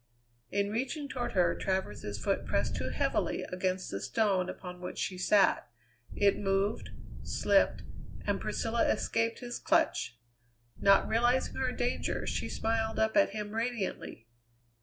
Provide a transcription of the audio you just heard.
In reaching toward her, Travers's foot pressed too heavily against the stone upon which she sat; it moved, slipped, and Priscilla escaped his clutch. Not realizing her danger, she smiled up at him radiantly.